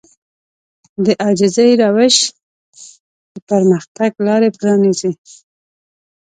د عاجزي روش د پرمختګ لارې پرانيزي.